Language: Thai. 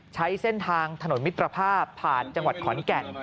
ใช้เส้นทางถนนมิตรภาพผ่านจังหวัดขอนแก่น